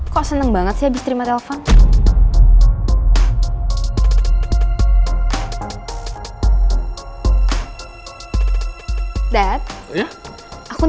kok seneng banget sih habis terima yang telifon